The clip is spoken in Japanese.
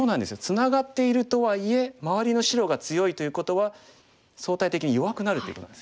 ツナがっているとはいえ周りの白が強いということは相対的に弱くなるっていうことなんですよね。